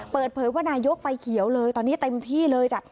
เปิดเผยว่านายกไฟเขียวเลยตอนนี้เต็มที่เลยจัด